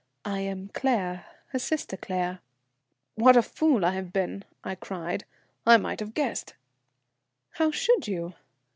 I am Claire, her sister Claire." "What a fool I've been!" I cried. "I might have guessed." "How should you?